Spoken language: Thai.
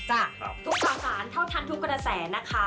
ทุกข่าวสารเท่าทันทุกกระแสนะคะ